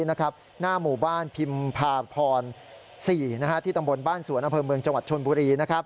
หน้าหมู่บ้านพิมพาพร๔ที่ตำบลบ้านสวนอำเภอเมืองจังหวัดชนบุรี